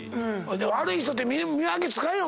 悪い人って見分けつかへんよ。